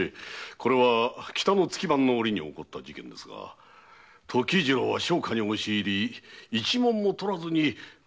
これは北の月番の折におこった事件ですが時次郎は商家に押し入り一文も盗らずに捕らえられたとか。